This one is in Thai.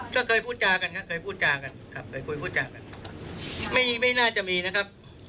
ก็เคยพูดจากันครับไม่น่าจะมีนะครับ